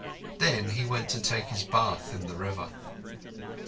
Then he went to take his bath in the river.